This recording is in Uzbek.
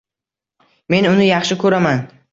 Men uni yaxshi ko`raman